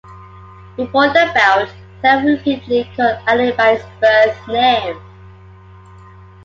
Before the bout, Terrell repeatedly called Ali by his birth name.